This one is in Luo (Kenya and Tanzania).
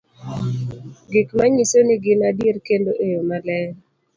gik manyiso ni gin adiera kendo e yo maler